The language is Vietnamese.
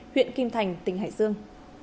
huyện kim thành tỉnh hải dương